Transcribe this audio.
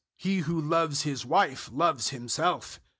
He who loves his wife loves himself.